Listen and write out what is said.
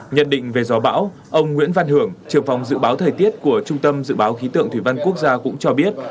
nhận định về gió bão ông nguyễn văn hưởng trưởng phòng dự báo thời tiết của trung tâm dự báo khí tượng thủy văn quốc gia cũng cho biết